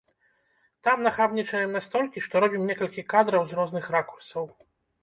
Там нахабнічаем настолькі, што робім некалькі кадраў з розных ракурсаў.